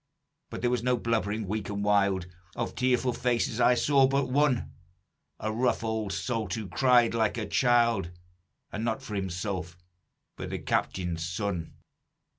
But there was no blubbering weak and wild, Of tearful faces I saw but one, A rough old salt, who cried like a child, And not for himself, but the captain's son.